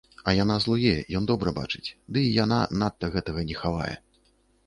А яна злуе, ён добра бачыць, ды і яна надта гэтага не хавае.